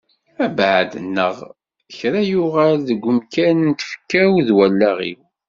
Abɛaḍ neɣ kra yuɣal deg umkan n tfekka-w d wallaɣ-iw.